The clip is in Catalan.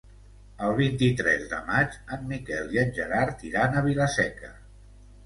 El vint-i-tres de maig en Miquel i en Gerard iran a Vila-seca.